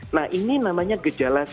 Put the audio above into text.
nah ini namanya gerakanan